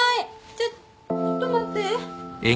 ちょちょっと待って。